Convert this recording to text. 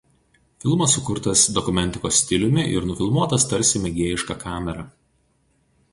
Filmas sukurtas dokumentikos stiliumi ir nufilmuotas tarsi mėgėjiška kamera.